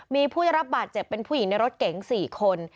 มีผู้ได้รับบาดเจ็บเป็นผู้หญิงในรถเก๋ง๔คน